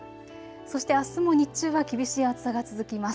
そしてあすも日中は厳しい暑さが続きます。